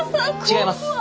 違います。